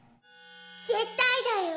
絶対だよ。